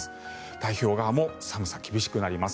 太平洋側も寒さ、厳しくなります。